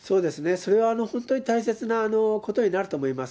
それは本当に大切なことになると思います。